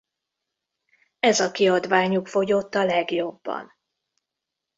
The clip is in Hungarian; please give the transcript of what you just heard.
Ez a kiadványuk fogyott a legjobban.